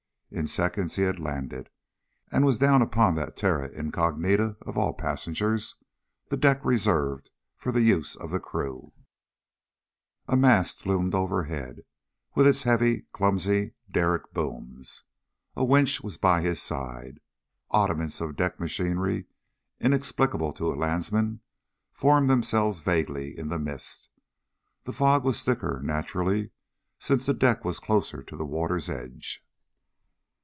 In seconds he had landed, and was down upon that terra incognita of all passengers, the deck reserved for the use of the crew. A mast loomed overhead, with its heavy, clumsy derrick booms. A winch was by his side. Oddments of deck machinery, inexplicable to a landsman, formed themselves vaguely in the mist. The fog was thicker, naturally, since the deck was closer to the water's edge.